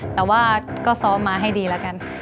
แต่ว่าก็ซ้อมมาให้ดีแล้วกัน